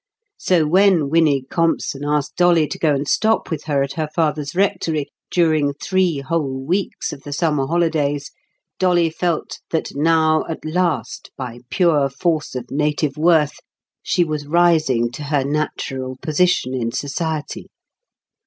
So when Winnie Compson asked Dolly to go and stop with her at her father's rectory during three whole weeks of the summer holidays, Dolly felt that now at last by pure force of native worth she was rising to her natural position in society.